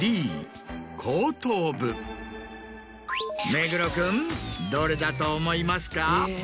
目黒君どれだと思いますか？